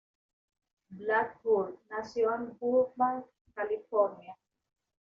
Blackburn nació en Burbank, California.